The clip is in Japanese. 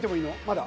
まだ？